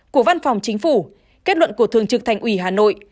của văn phòng chính phủ kết luận của thường trực thành ủy hà nội